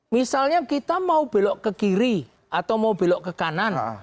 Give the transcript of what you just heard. misalnya kita mau belok ke kiri atau mau belok ke kanan